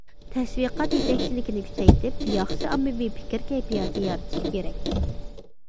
تەشۋىقات يېتەكچىلىكنى كۈچەيتىپ، ياخشى ئاممىۋى پىكىر كەيپىياتى يارىتىشى كېرەك.